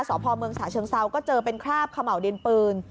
สพเมืองฉะเชิงเซาก็เจอเป็นคราบเขม่าวดินปืน